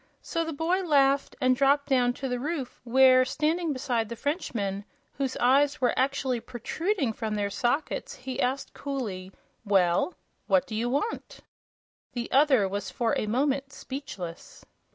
So the boy laughed and dropped down to the roof where, standing beside the Frenchman, whose eyes were actually protruding from their sockets, he asked, coolly: "Well, what do you want?" The other was for a moment speechless.